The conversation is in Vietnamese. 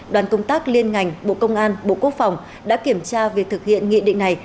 đoàn công tác liên ngành bộ công an bộ quốc phòng đã kiểm tra việc thực hiện nghị định này